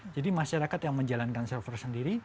masyarakat yang menjalankan server sendiri